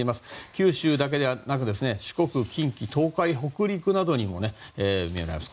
九州だけではなく四国近畿・東海北陸などにも出ています。